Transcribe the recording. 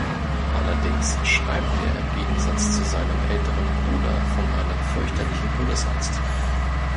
Allerdings schreibt er im Gegensatz zu seinem älteren Bruder von einer fürchterlichen Todesangst.